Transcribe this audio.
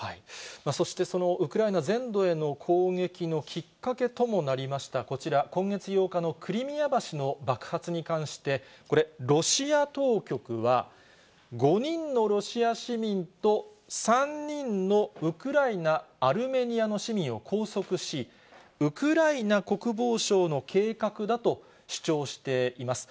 そしてそのウクライナ全土への攻撃のきっかけともなりましたこちら、今月８日のクリミア橋の爆発に関して、これ、ロシア当局は、５人のロシア市民と、３人のウクライナ、アルメニアの市民を拘束し、ウクライナ国防省の計画だと主張しています。